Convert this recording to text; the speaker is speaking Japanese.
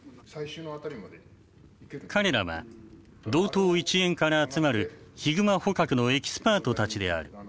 彼らは道東一円から集まるヒグマ捕獲のエキスパートたちである。